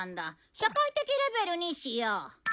社会的レベルにしよう。